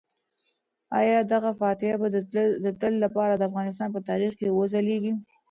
آیا دغه فاتح به د تل لپاره د افغانستان په تاریخ کې وځلیږي؟